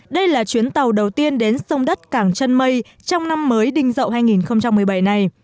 đây là chuyến tàu đầu tiên đến sông đất cảng chân mây trong năm mới đinh dậu hai nghìn một mươi bảy này